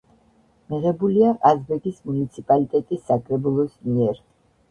მიღებულია ყაზბეგის მუნიციპალიტეტის საკრებულოს მიერ.